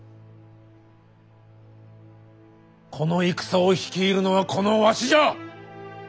この戦を率いるのはこのわしじゃ！